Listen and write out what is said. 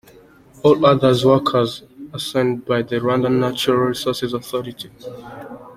All other works assigned by the Rwanda Natural Resources Authority.